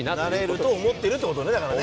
なれると思ってるって事ねだからね。